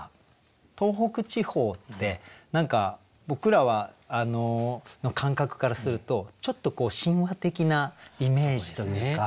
東北地方って何か僕らの感覚からするとちょっと神話的なイメージというか。